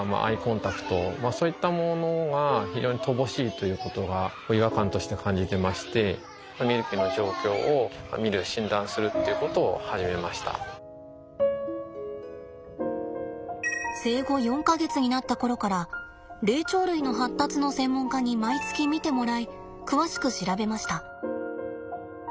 ということが違和感として感じてまして生後４か月になった頃から霊長類の発達の専門家に毎月見てもらい詳しく調べました。